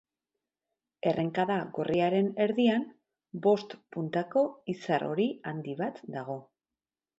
Errenkada gorriaren erdian, bost puntako izar hori handi bat dago.